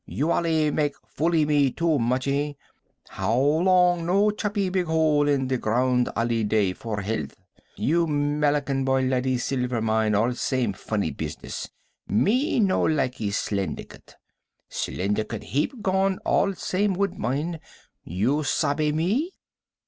You allee same foolee me too muchee. How Long no chopee big hole in the glound allee day for health. You Melican boy Laddee silver mine all same funny business. Me no likee slyndicate. Slyndicate heap gone all same woodbine. You sabbe me?